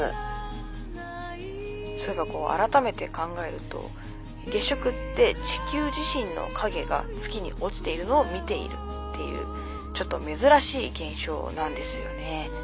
そういえばこう改めて考えると月食って地球自身の影が月に落ちているのを見ているっていうちょっと珍しい現象なんですよね。